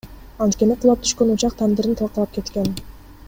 Анткени кулап түшкөн учак тандырын талкалап кеткен.